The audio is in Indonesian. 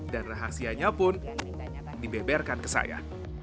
dan rahasianya pun dibeberkan ke saya